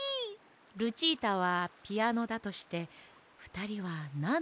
ルチータはピアノだとしてふたりはなんのがっきがいいかしら？